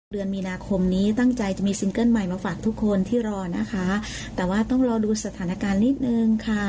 เดือนมีนาคมนี้ตั้งใจจะมีซิงเกิ้ลใหม่มาฝากทุกคนที่รอนะคะแต่ว่าต้องรอดูสถานการณ์นิดนึงค่ะ